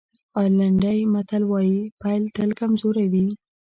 آیرلېنډی متل وایي پيل تل کمزوری وي.